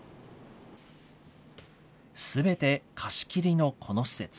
すべて貸し切りのこの施設。